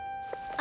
あ。